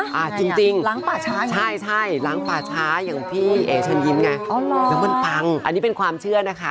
ห๊ะจริงล้างป่าช้าอย่างที่พี่เอเชิลยิ้มไงแล้วก็ทำอันนี้เป็นความเชื่อนะคะ